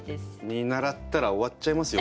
見習ったら終わっちゃいますよ